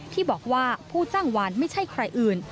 ที่บอกว่าผู้จ้างวานไม่ใช่ใครอื่น